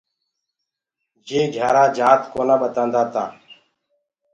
يي گھِيآرآ جآت ڪونآ ٻتآدآتآ۔